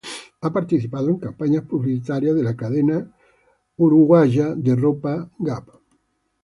Ha participado en campañas publicitarias de la cadena norteamericana de ropa Gap.